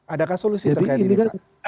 adakah solusi terkait ini pak